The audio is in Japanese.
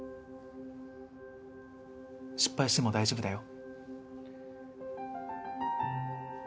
失敗しても大丈夫だよ。